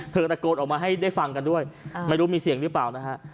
ตะโกนออกมาให้ได้ฟังกันด้วยไม่รู้มีเสียงหรือเปล่านะฮะ